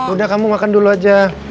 udah kamu makan dulu aja